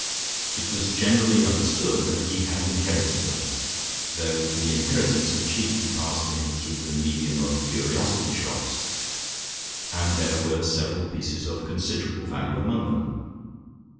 It was generally understood that he had inherited them, though the inheritance had chiefly passed to him through the medium of curiosity shops, and there were several pieces of considerable value among them.